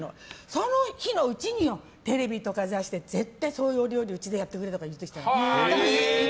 その日のうちにテレビとか雑誌で絶対そういうお料理を家でやってくれって来ちゃったの。